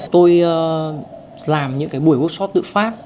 tôi làm những cái buổi workshop tự phát